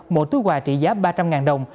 một túi quà trị giá ba trăm linh đồng